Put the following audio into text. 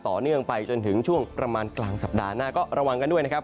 ต่อเนื่องไปจนถึงช่วงประมาณกลางสัปดาห์หน้าก็ระวังกันด้วยนะครับ